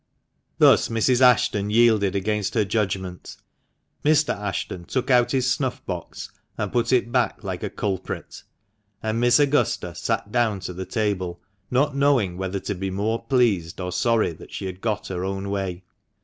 Thus Mrs. Ashton yielded against her judgment ; Mr. Ashton took out his snuff box, to put it back like a culprit ; and Miss Augusta sat down to the table, not knowing whether to be more pleased or sorry that she had got her own way.